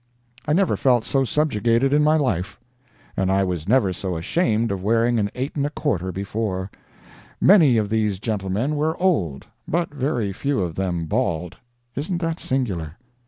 I never felt so subjugated in my life. And I was never so ashamed of wearing an 8 1/4 before. Many of these gentlemen were old, but very few of them bald—isn't that singular?